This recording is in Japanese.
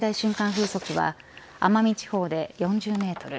風速は奄美地方で４０メートル